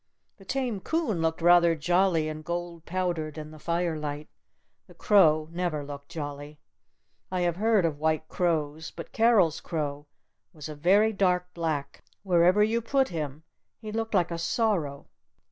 The tame coon looked rather jolly and gold powdered in the firelight. The crow never looked jolly. I have heard of white crows. But Carol's crow was a very dark black. Wherever you put him he looked like a sorrow.